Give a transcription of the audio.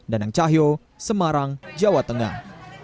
danang cahyo semarang jawa tengah